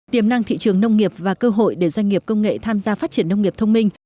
tiềm năng thị trường nông nghiệp và cơ hội để doanh nghiệp công nghệ tham gia phát triển nông nghiệp thông minh